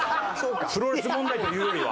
プロレス問題というよりは。